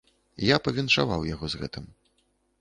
Я павіншаваў яго з гэтым.